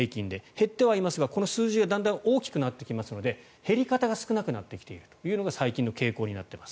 減ってはいますが、この数字がだんだん大きくなってきますので減り方が少なくなってきているというのが最近の傾向になってきています。